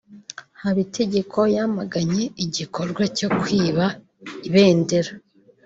Habitegeko yamaganye igikorwa cyo kwiba ibendera